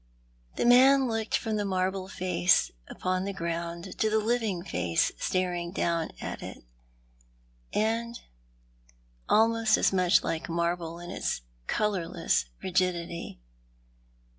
The man looked from the marble face upon the ground to the living face staring down at it, and almost as much like marble in its colourless rigidity.